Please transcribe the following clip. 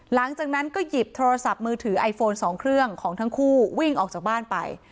หลังจากนั้นก็หยิบโทรศัพท์มือถือไอโฟน๒เครื่องของทั้งคู่วิ่งออกจากบ้านไป